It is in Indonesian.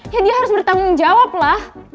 ya dia harus bertanggung jawab lah